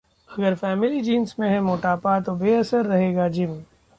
अगर family genes में है मोटापा, तो बेअसर रहेगा जिम